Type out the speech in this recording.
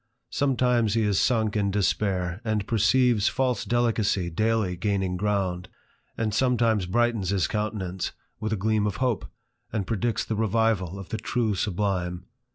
Some times he is sunk in despair, and perceives false delicacy daily gaining ground, and sometimes brightens his countenance with a gleam of hope, and predicts the revival of the true sublime.